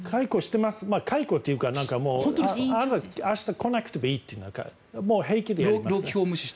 解雇というか明日来なくてもいいというのは労基法、無視して？